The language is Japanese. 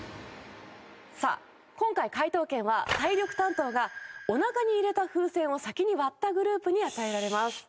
さあ今回解答権は体力担当がお腹に入れた風船を先に割ったグループに与えられます。